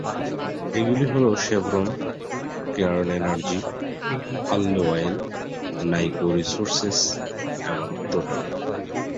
এগুলি হলো Chevron, Cairn Energy, Tullow Oil, Niko Resources এবং টোটাল।